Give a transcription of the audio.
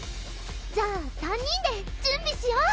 じゃあ３人で準備しよ！